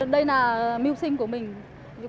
đây là mưu sinh của mình